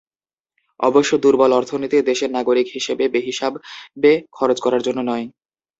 অবশ্য দুর্বল অর্থনীতির দেশের নাগরিক হিসেবে বেহিসাবে খরচ করার জন্য নয়।